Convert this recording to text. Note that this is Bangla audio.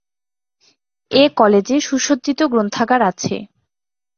এ কলেজে সুসজ্জিত গ্রন্থাগার আছে।